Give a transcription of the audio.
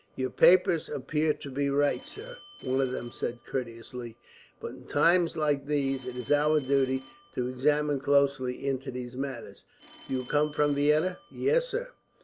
"Your papers appear to be right, sir," one of them said courteously; "but in times like these, it is our duty to examine closely into these matters. You come from Vienna?" "Yes, sir."